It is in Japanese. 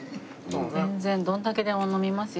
全然どれだけでも飲みますよ。